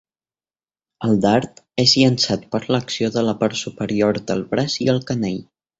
El dard és llançat per l'acció de la part superior del braç i el canell.